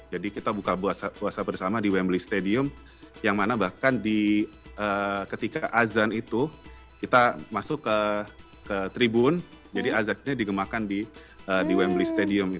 jadi kita buka buasa bersama di wembley stadium yang mana bahkan di ketika azan itu kita masuk ke tribun jadi azatnya digemakan di wembley stadium